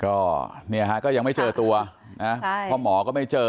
ก็เนี่ยอ่ะก็ยังไม่เจอตัวน่ะใช่พ่อหมอก็ไม่เจอ